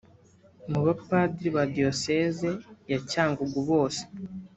Mu bapadiri ba Diyosezi ya Cyangugu bose